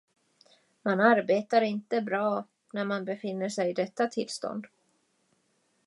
Man arbetar inte bra, när man befinner sig i detta tillstånd.